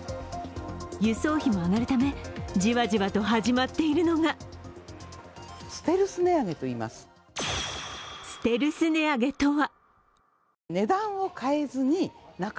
輸送費も上がるため、じわじわと始まっているのがステルス値上げとは？